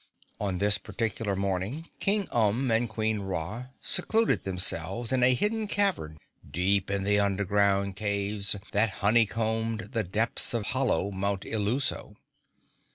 On this particular morning King Umb and Queen Ra secluded themselves in a hidden cavern, deep in the underground caves that honeycombed the depths of hollow Mount Illuso.